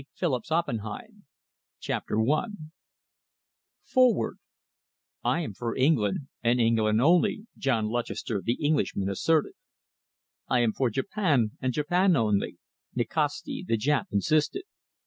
PHILLIPS OPPENHEIM 1918 FOREWORD "I am for England and England only," John Lutchester, the Englishman, asserted. "I am for Japan and Japan only," Nikasti, the Jap, insisted.